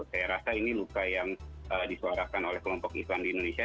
saya rasa ini luka yang disuarakan oleh kelompok islam di indonesia